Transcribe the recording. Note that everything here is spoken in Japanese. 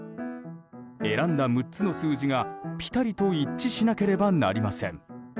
選んだ６つの数字がぴたりと一致しなければなりません。